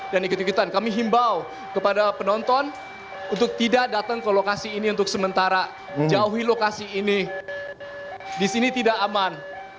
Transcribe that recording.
dan ikutan kami himbau kepada penonton untuk tidak datang ke lokasi ini untuk sementara jauhi lokasi ini di sini tidak aman